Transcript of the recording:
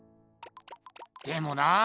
でもなあ